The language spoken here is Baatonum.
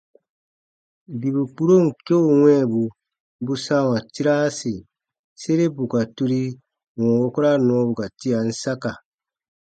Bibu kpuron keu wɛ̃ɛbu bu sãawa tiraasi sere bù ka turi wɔ̃ɔ wukura nɔɔbu ka tian saka.